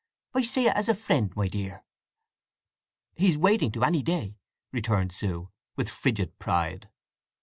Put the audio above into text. I say it as a friend, my dear." "He's waiting to, any day," returned Sue, with frigid pride.